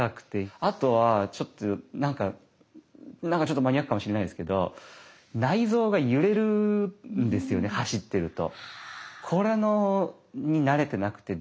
あとはちょっと何か何かちょっとマニアックかもしれないですけど走ってると。